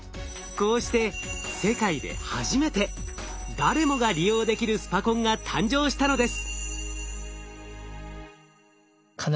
こうして世界で初めて誰もが利用できるスパコンが誕生したのです。